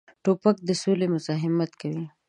توپک د سولې مزاحمت کوي.